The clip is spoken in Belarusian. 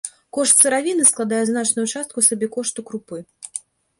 Кошт сыравіны складае значную частку сабекошту крупы.